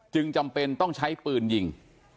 จำเป็นต้องใช้ปืนยิง